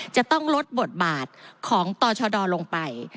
จะต้องลดบทบาทของตชดลงไป